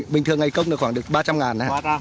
bình thường ngày công là khoảng được ba trăm linh ngàn á